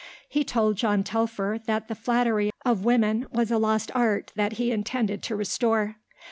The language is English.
He told John Telfer that the flattery of women was a lost art that he intended to restore.